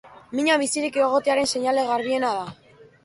Mina bizirik egotearen seinale garbiena da.